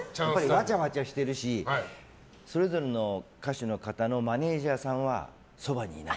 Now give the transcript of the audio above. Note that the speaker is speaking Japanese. わちゃわちゃしてるしそれぞれの歌手の方のマネジャーさんはそばにいない。